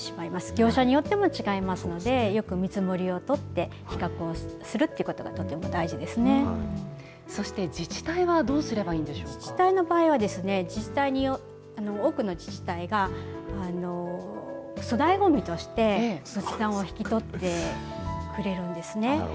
業者によっても違いますので、よく見積もりを取って、比較をするそして自治体はどうすればい自治体の場合は、実際に多くの自治体が、粗大ごみとして、仏壇を引き取ってくれるんですね。